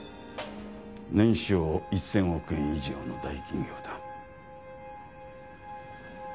年商１０００億円以上の大企業だ。